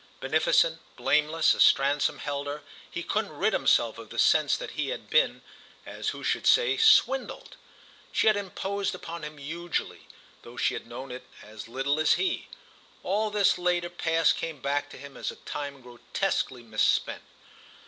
Beneficent, blameless as Stransom held her, he couldn't rid himself of the sense that he had been, as who should say, swindled. She had imposed upon him hugely, though she had known it as little as he. All this later past came back to him as a time grotesquely misspent.